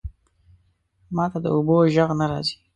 ماته د اوبو ژغ نه راځی